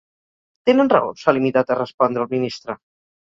Tenen raó, s’ha limitat a respondre el ministre.